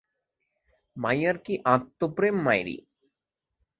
মাইয়ার কী আত্মপ্রেম মাইরি।